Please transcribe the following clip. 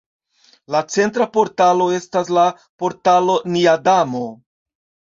La centra portalo estas la Portalo Nia Damo.